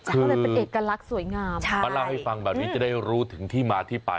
คือปั้นเล่าให้ฟังแบบนี้จะได้รู้ถึงที่มาที่ไปใช่